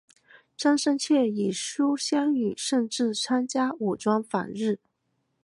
张深切与苏芗雨甚至参加武装反日。